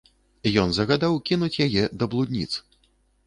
Ён загадаў кінуць яе да блудніц.